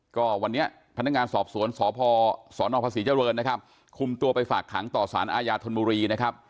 ก็วันนี้พนักงานสอบสวนสพสนภาษีเจริญนะครับคุมตัวไปฝากขังต่อสารอาญาธนบุรีนะครับ